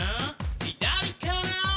左かな？